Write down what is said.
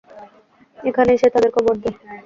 এখানেই সে তাদের কবর দেয়।